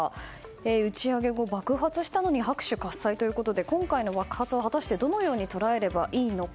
打ち上げ、爆発したのに拍手喝采ということで今回の爆発は果たしてどのように捉えればいいのか。